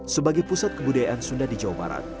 sebagai pusat kebudayaan sunda di jawa barat